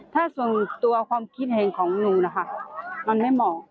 ถ้าส่วนตัวความคิดเห็นของหนูนะคะมันไม่เหมาะ